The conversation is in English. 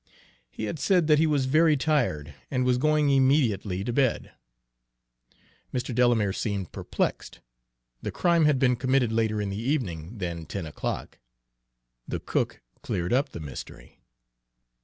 He had said that he was very tired and was going, immediately to bed. Mr. Delamere seemed perplexed; the crime had been committed later in the evening than ten o'clock. The cook cleared up the mystery.